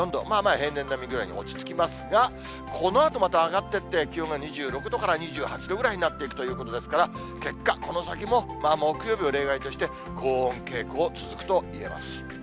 平年並みぐらいに落ち着きますが、このあとまた上がっていって、気温が２６度から２８度ぐらいになっていくということですから、結果、この先も木曜日を例外として、高温傾向続くと言えます。